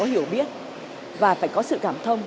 hiểu biết và phải có sự cảm thông